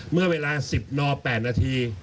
เมื่อเวลา๑๐น๘นาที